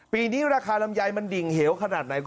ปีนี้ราคาลำไยมันดิ่งเหวขนาดไหน